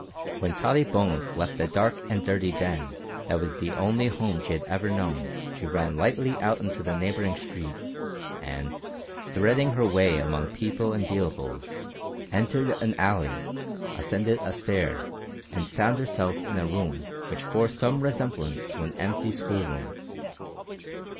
When Tottie Bones left the dark and dirty den that was the only home she had ever known, she ran lightly out into the neighbouring street, and, threading her way among people and vehicles, entered an alley, ascended a stair, and found herself in a room which bore some resemblance to an empty schoolroom.